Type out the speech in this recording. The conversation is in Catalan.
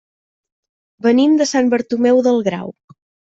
Venim de Sant Bartomeu del Grau.